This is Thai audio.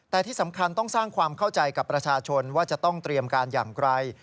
แต่ที่สำคัญต้องสร้างความเข้าใจกับประชาชนว่าจะต้องเตรียมการอย่างไร